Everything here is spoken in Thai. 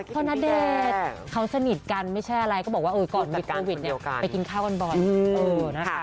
ณเดชน์เขาสนิทกันไม่ใช่อะไรก็บอกว่าก่อนมีโควิดเนี่ยไปกินข้าวกันบ่อยนะคะ